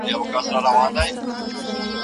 پښتو ژبه په ډیجیټل نړۍ کې پیاوړې وساتئ.